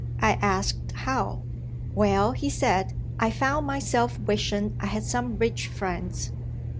I asked how. "Well," he said, "I found myself wishing I had some rich friends.